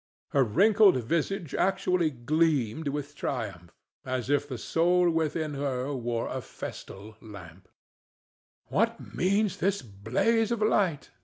Her wrinkled visage actually gleamed with triumph, as if the soul within her were a festal lamp. "What means this blaze of light?